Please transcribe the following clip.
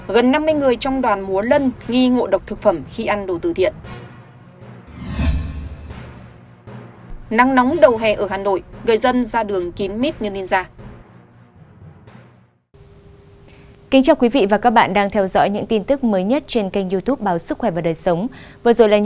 gần năm mươi người trong đoàn múa lân nghi ngộ độc thực phẩm khi ăn đồ tư thiện